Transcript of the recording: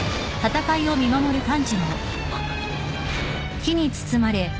あっ！